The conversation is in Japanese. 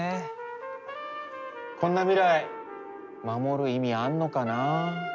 こんな未来守る意味あんのかな？